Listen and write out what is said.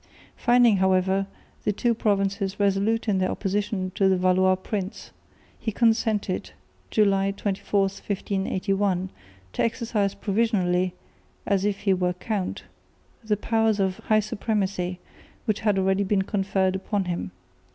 Finding, however, the two provinces resolute in their opposition to the Valois prince, he consented, July 24, 1581, to exercise provisionally, as if he were count, the powers of "high supremacy," which had already been conferred upon him.